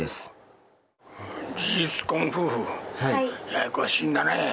ややこしいんだね。